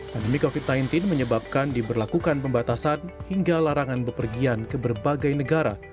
pandemi covid sembilan belas menyebabkan diberlakukan pembatasan hingga larangan bepergian ke berbagai negara